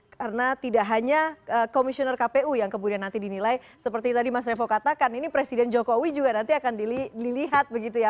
karena tidak hanya komisioner kpu yang kemudian nanti dinilai seperti tadi mas revo katakan ini presiden jokowi juga nanti akan dilihat begitu ya